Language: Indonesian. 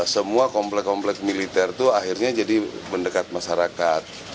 semua komplek komplek militer itu akhirnya jadi mendekat masyarakat